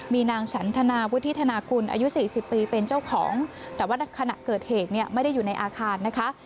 มีนางฉันธนาวุฒิธนากุลอายุ๔๐ปีเป็นเจ้าของแต่ว่าขณะเกิดเหตุเนี่ยไม่ได้อยู่ในอาคารนะคะ